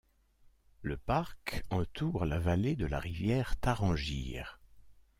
Le parc entoure la vallée de la rivière Tarangire.